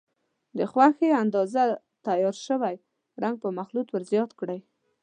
د خوښې اندازه تیار شوی رنګ په مخلوط ور زیات کړئ.